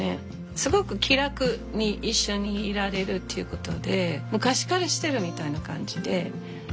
すごく気楽に一緒にいられるっていうことで昔から知ってるみたいな感じで。